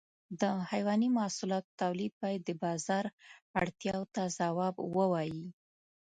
د حيواني محصولاتو تولید باید د بازار اړتیاو ته ځواب ووایي.